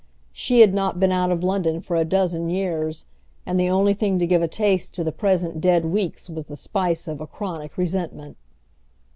She had not been out of London for a dozen years, and the only thing to give a taste to the present dead weeks was the spice of a chronic resentment.